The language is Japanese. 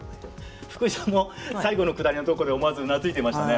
福井さんも最後のくだりのところで思わずうなずいていましたね。